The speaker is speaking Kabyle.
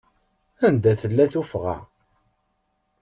Anda tella tuffɣa?